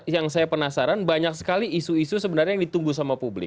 yang saya penasaran banyak sekali isu isu sebenarnya yang ditunggu sama publik